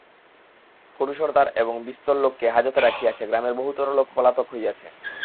ফরুসর্দার এবং বিস্তর লোককে হাজতে রাখিয়াছে, গ্রামের বহুতর লোক পলাতক হইয়াছে।